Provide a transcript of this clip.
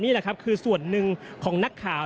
นี่แหละครับคือส่วนหนึ่งของนักข่าว